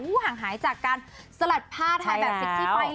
ห่างหายจากการสลัดผ้าถ่ายแบบเซ็กซี่ไป